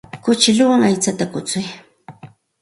Kuchukuwan aychata kuchuy.